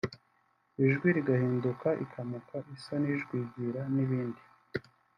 ijwi rigahinduka ikamoka isa n’ijwigira n’ibindi